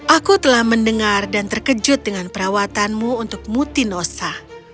aku telah mendengar dan terkejut dengan perawatanmu untuk mutinosa